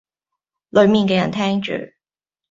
裡面嘅人聽住